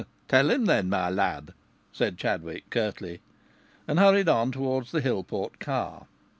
"Tell him, then, my lad," said Chadwick, curtly, and hurried on towards the Hillport car.